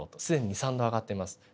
既に２３℃上がっています。